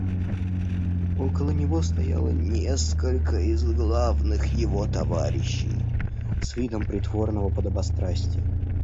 Около него стояло несколько из главных его товарищей, с видом притворного подобострастия.